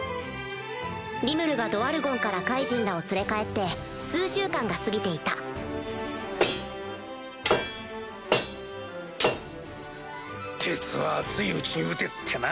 リムルがドワルゴンからカイジンらを連れ帰って数週間が過ぎていた鉄は熱いうちに打てってな！